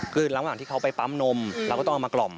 คือระหว่างที่เขาไปปั๊มนมเราก็ต้องเอามากล่อม